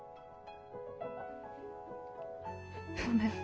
ごめん。